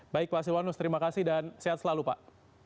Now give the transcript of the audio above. baik pak silwanus terima kasih dan sehat selalu pak